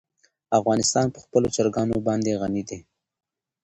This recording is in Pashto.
افغانستان په خپلو چرګانو باندې غني دی.